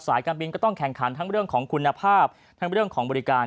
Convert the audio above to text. การบินก็ต้องแข่งขันทั้งเรื่องของคุณภาพทั้งเรื่องของบริการ